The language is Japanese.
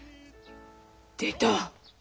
出た。